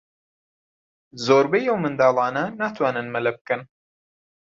زۆربەی ئەو منداڵانە ناتوانن مەلە بکەن.